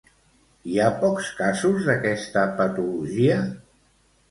Hi ha pocs casos d'aquesta patologia?